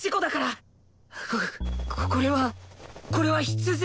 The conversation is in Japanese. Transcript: ここれはこれは必然